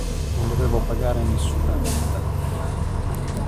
Non dovevo pagare nessuna retta.